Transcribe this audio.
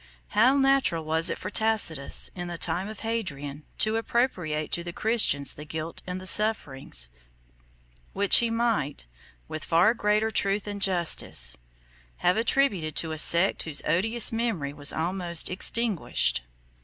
How natural was it for Tacitus, in the time of Hadrian, to appropriate to the Christians the guilt and the sufferings, 4211 which he might, with far greater truth and justice, have attributed to a sect whose odious memory was almost extinguished!